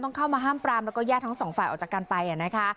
เข้ามาห้ามปรามแล้วก็แยกทั้งสองฝ่ายออกจากกันไปนะคะ